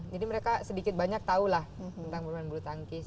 jadi mereka sedikit banyak tahu lah tentang perubahan bulu tangkis